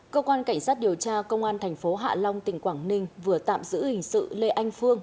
cơ quan cảnh sát điều tra công an thành phố hạ long tỉnh quảng ninh vừa tạm giữ hình sự lê anh phương